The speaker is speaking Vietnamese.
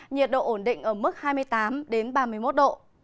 nhiệt độ ổn định ở mức hai mươi tám ba mươi một độ